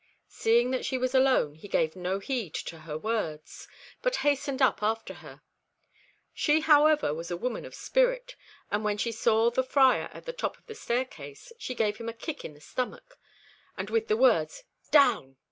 Seeing that she was alone, he gave no heed to her words, but hastened up after her. She, however, was a woman of spirit, and when she saw the Friar at the top of the staircase, she gave him a kick in the stomach, and with the words, "Down!